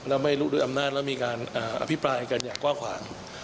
แล้วไม่รู้ด้วยอำนาจแล้วมีการอภิปรายกันอย่างกว้างขวาง